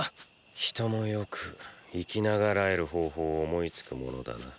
人もよく生きながらえる方法を思いつくものだな。